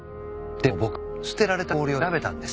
でも僕捨てられた氷を調べたんです。